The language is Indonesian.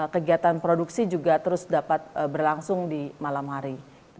kegiatan produksi juga terus dapat berlangsung di malam hari